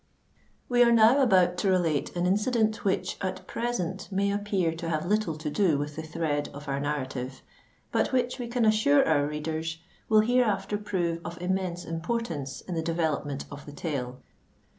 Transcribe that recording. We are now about to relate an incident which, at present, may appear to have little to do with the thread of our narrative, but which, we can assure our readers, will hereafter prove of immense importance in the development of the tale.